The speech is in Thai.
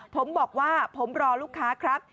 ผมบอกว่าผมรอลูกค้าครับ